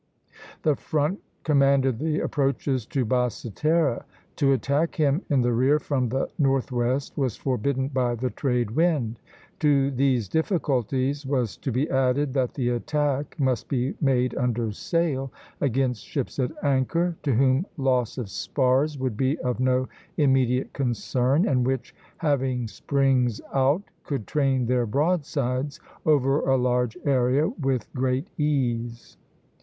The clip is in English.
The front commanded the approaches to Basse Terre. To attack him in the rear, from the northwest, was forbidden by the trade wind. To these difficulties was to be added that the attack must be made under sail against ships at anchor, to whom loss of spars would be of no immediate concern; and which, having springs out, could train their broadsides over a large area with great ease.